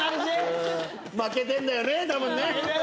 負けてんだよねたぶんね。